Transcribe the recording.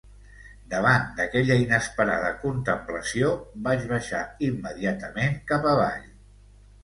Davant d’aquella inesperada contemplació, vaig baixar immediatament cap avall.